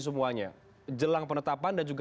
semuanya jelang penetapan dan juga